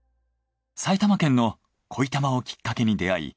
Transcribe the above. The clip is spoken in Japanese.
埼玉県の恋たまをきっかけに出会い